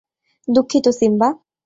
দুঃখিত, সিম্বা।